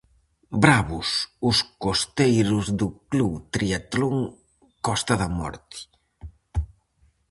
Bravos os costeiros do club Tríatlon Costa da Morte.